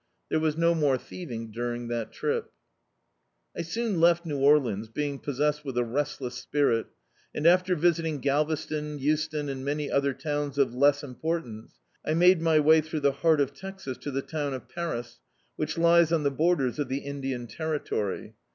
There was no more thieving during that trip. I soon left New Orleans, being possessed with a restless spirit, and, after visiting Galvestcvi, Euston, and many more towns of less importance, I made my way through the heart of Texas to the town of Paris, which lies on the borders of the Indian terri tory.